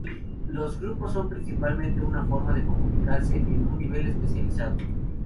Los grupos son principalmente una forma de comunicarse en un nivel especializado.